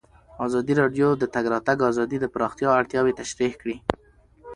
ازادي راډیو د د تګ راتګ ازادي د پراختیا اړتیاوې تشریح کړي.